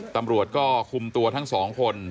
ตำรวจก็คุมตัวทั้งสองคน